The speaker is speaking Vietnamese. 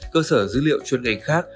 cơ sở dữ liệu chuyên ngành khác